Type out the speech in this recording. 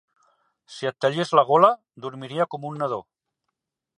Si et tallés la gola, dormiria com un nadó.